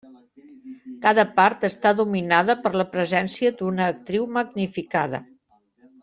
Cada part està dominada per la presència d'una actriu magnificada.